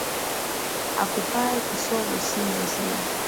Akupaye kisogo si mwenzio